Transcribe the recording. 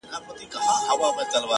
درومم چي له ښاره روانـــــېـــږمــــه ـ